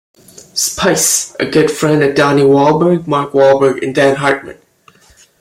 Spice, a good friend of Donnie Wahlberg, Mark Wahlberg, and Dan Hartman.